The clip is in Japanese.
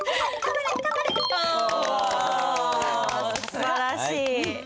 すばらしい。